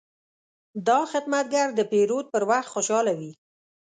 دا خدمتګر د پیرود پر وخت خوشحاله وي.